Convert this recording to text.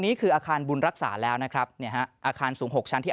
นี่คืออาคารบุญรักษาแล้วนะครับเนี่ยฮะอาคารสูง๖ชั้นที่